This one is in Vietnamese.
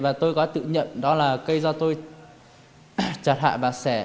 và tôi có tự nhận đó là cây do tôi trả hạ và xẻ